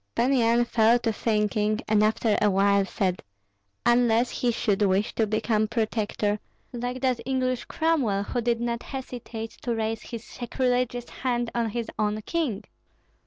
Pan Yan fell to thinking, and after a while said, "Unless he should wish to become protector, like that English Cromwell who did not hesitate to raise his sacrilegious hand on his own king."